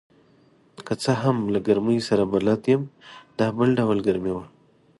که څه هم له ګرمۍ سره بلد یم، دا بل ډول ګرمي وه.